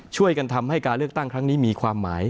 ช่วยกันทำให้การเลือกตั้งครั้งนี้มีความหมาย